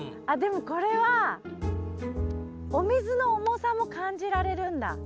でもこれはお水の重さも感じられるんだ。